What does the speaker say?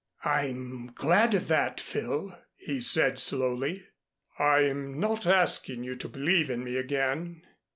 "I'm glad of that, Phil," he said slowly. "I'm not asking you to believe in me again.